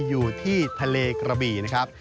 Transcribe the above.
อยู่ที่ทะเลกระบี่นะครับ